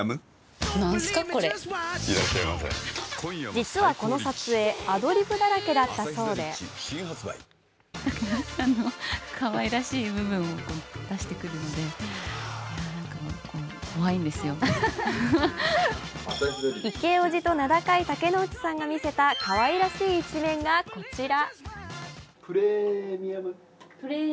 実はこの撮影アドリブだらけだったそうでイケオジと名高い竹野内さんが見せたかわいらしい一面がこちら。